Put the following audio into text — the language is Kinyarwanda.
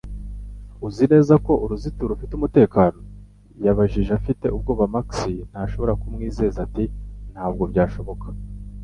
Uzi neza ko uruzitiro rufite umutekano?" yabajije afite ubwoba Max ntashobora kumwizeza ati: "Ntabwo byashoboka"